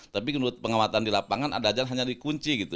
tapi menurut pengamatan di lapangan ada jalan hanya di kunci